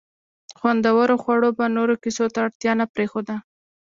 خوندورو خوړو به نورو کیسو ته اړتیا نه پرېښوده.